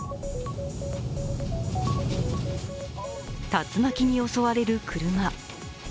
竜巻に襲われる車。